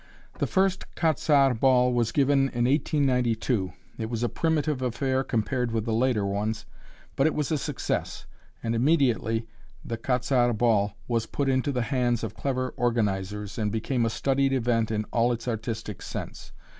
The first "Quat'z' Arts" ball was given in 1892. It was a primitive affair, compared with the later ones, but it was a success, and immediately the "Quat'z' Arts" Ball was put into the hands of clever organizers, and became a studied event in all its artistic sense.